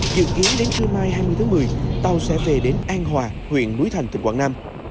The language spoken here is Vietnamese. dự kiến đến trưa mai hai mươi tháng một mươi tàu sẽ về đến an hòa huyện núi thành tỉnh quảng nam